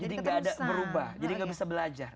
jadi gak ada berubah jadi gak bisa belajar